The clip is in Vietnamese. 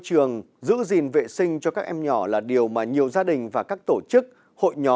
cũng đang phải đối mặt với tình trạng rác thải